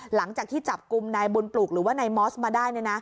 หลังจากที่จับกลุ่มนายบุญปลูกหรือว่านายมอสมาได้